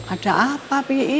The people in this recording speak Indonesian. ada apa pi